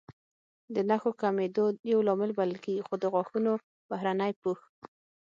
د نښو کمېدو یو لامل بلل کېږي، خو د غاښونو بهرنی پوښ